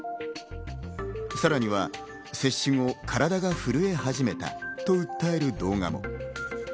さらには接種後、体が震え始めたと訴える動画も。